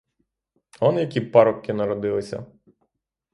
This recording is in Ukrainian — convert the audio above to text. Он які парубки народилися!